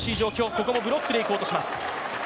ここもブロックでいこうとします。